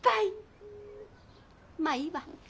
まあいいわ。